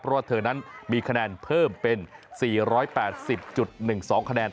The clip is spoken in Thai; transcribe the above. เพราะว่าเธอนั้นมีคะแนนเพิ่มเป็น๔๘๐๑๒คะแนน